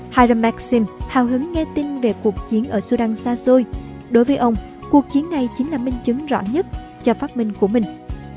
hiram maxim hào hứng nghe tin về cuộc chiến ở sudan xa xôi đối với ông cuộc chiến này chính là minh chứng rõ nhất cho phát minh của mình